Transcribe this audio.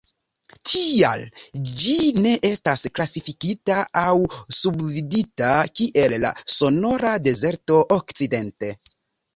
Tial, ĝi ne estas klasifikita aŭ subdividita, kiel la Sonora-Dezerto okcidente.